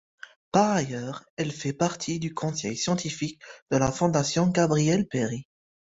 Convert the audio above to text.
Par ailleurs, elle fait partie du conseil scientifique de la Fondation Gabriel-Péri.